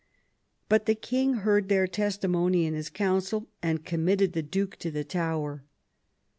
But the king heard their testimony in his Council, and committed the duke to the Tower.